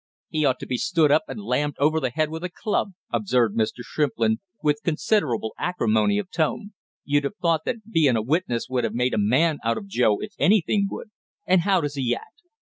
"He ought to be stood up and lammed over the head with a club!" observed Mr. Shrimplin, with considerable acrimony of tone. "You'd have thought that being a witness would have made a man out of Joe if anything would, and how does he act?